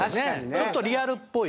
ちょっとリアルっぽい。